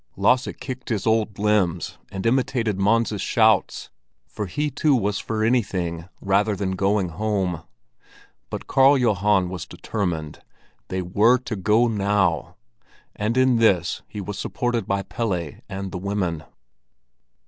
Lasse kicked his old limbs and imitated Mons's shouts, for he too was for anything rather than going home; but Karl Johan was determined—they were to go now! And in this he was supported by Pelle and the women.